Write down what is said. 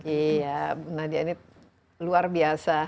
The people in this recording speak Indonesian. iya bu nadia ini luar biasa